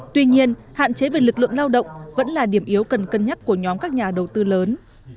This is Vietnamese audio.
tuy nhiên hạn chế về lực lượng lao động vẫn là điểm yếu cần cân nhắc của nhóm các nhà đầu tư lớn